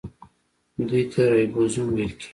دوی ته رایبوزوم ویل کیږي.